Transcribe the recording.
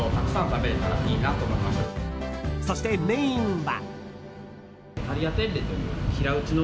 そして、メインは。